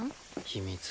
秘密。